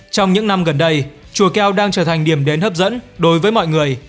trong những năm gần đây chùa keo đang trở thành điểm đến hấp dẫn đối với mọi người